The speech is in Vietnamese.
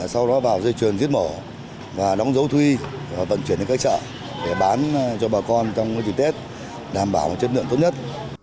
sau đó vào dây chuyền giết mổ và đóng dấu thuy và vận chuyển đến các chợ để bán cho bà con trong dịp tết đảm bảo chất lượng tốt nhất